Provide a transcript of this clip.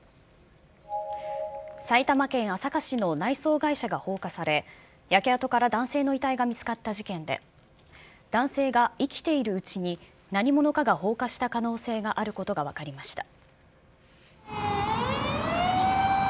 埼玉県朝霞市の内装会社が放火され、焼け跡から男性の遺体が見つかった事件で、男性が生きているうちに、何者かが放火した可能性があることが分かりました。